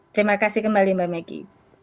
terima kasih kembali mbak meki